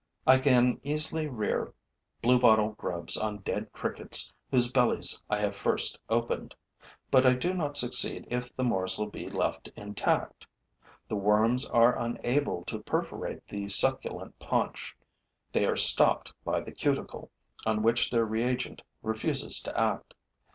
I can easily rear bluebottle grubs on dead crickets whose bellies I have first opened; but I do not succeed if the morsel be left intact: the worms are unable to perforate the succulent paunch; they are stopped by the cuticle, on which their reagent refuses to act.